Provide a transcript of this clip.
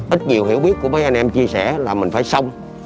ít nhiều hiểu biết của mấy anh em chia sẻ là mình phải xong